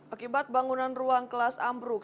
akibat bangunan ruang kelas ambruk